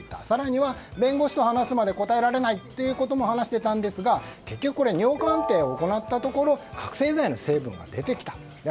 更には弁護士と話すまで答えられないということも話していたんですが結局、尿鑑定を行ったところ覚醒剤の成分が出てきた。